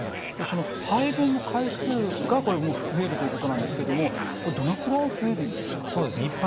その排便の回数がこれ増えるということなんですけどもこれどのくらい増えるんですか？